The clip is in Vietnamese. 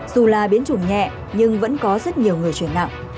dù là biến chủng nhẹ nhưng vẫn có rất nhiều người chuyển nặng